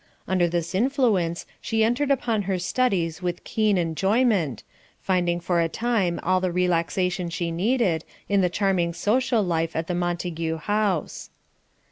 Under this influence she entered upon her studies with keen enjoyment, finding for a time all the relaxation she needed, in the charming social life at the Montague house.